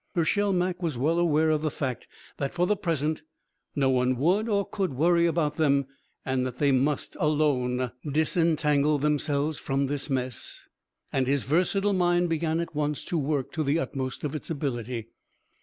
Hershel Mak was well aware of the fact that for the present no one would or could worry about them and that they must alone disentangle themselves from this mess, and his versatile mind began at once to work to the utmost of its ability.